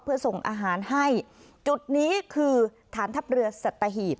เพื่อส่งอาหารให้จุดนี้คือฐานทัพเรือสัตหีบ